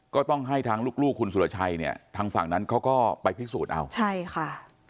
ก็ต้องให้ทางลูกลูกคุณสุรชัยเนี่ยทางฝั่งนั้นเขาก็ไปพิสูจน์เอาใช่ค่ะ